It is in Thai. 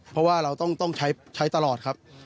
เพราะว่าเราต้องใช้ตลอดครับ